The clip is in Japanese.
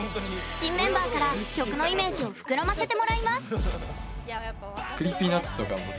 新メンバーから曲のイメージを膨らませてもらいます。